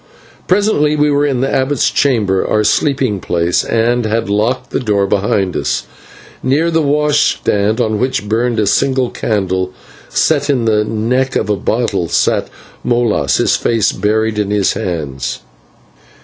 Presently we were in the abbot's chamber, our sleeping place, and had locked the door behind us. Near the washstand, on which burned a single candle set in the neck of a bottle, sat Molas, his face buried in his hands.